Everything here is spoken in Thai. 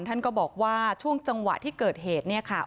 ท่านก็บอกว่าช่วงจังหวะที่เกิดเหตุเนี่ยค่ะ